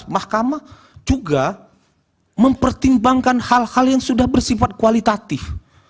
mahkamah juga mempertimbangkan hal hal yang sudah bersifat kualitatif